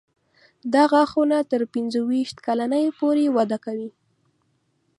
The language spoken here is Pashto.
دا غاښونه تر پنځه ویشت کلنۍ پورې وده کوي.